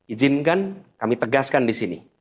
izinkan kami tegaskan di sini